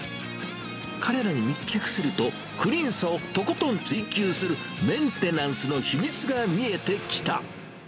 彼らに密着すると、クリーンさをとことん追求するメンテナンスの秘密が見えてきた。